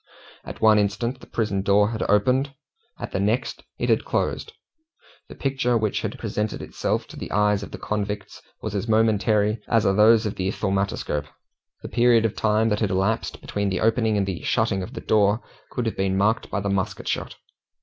At one instant the prison door had opened, at the next it had closed. The picture which had presented itself to the eyes of the convicts was as momentary as are those of the thaumatoscope. The period of time that had elapsed between the opening and the shutting of the door could have been marked by the musket shot.